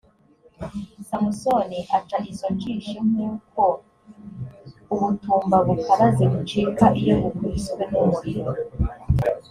samusoni aca izo njishi nk uko ubutumba bukaraze bucika iyo bukubiswe n umuriro